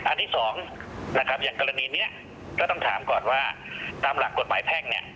ที่สองนะครับอย่างกรณีนี้ก็ต้องถามก่อนว่าตามหลักกฎหมายแพ่งเนี่ย